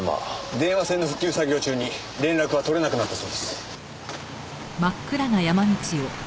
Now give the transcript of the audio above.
電話線の復旧作業中に連絡が取れなくなったそうです。